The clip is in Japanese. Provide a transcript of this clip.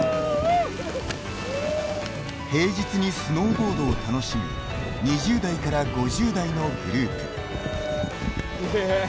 平日にスノーボードを楽しむ２０代から５０代のグループ。